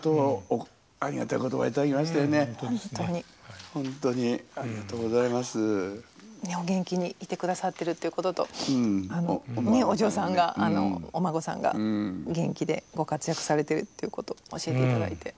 お元気にいて下さってるっていうこととお嬢さんがお孫さんが元気でご活躍されているっていうことを教えて頂いて。